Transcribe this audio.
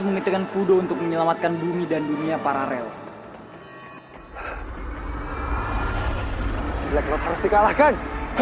mengintikan fudo untuk menyelamatkan bumi dan dunia paralel black harus dikalahkan